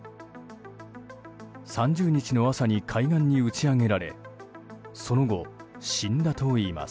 ３０日の朝に海岸に打ち上げられその後、死んだといいます。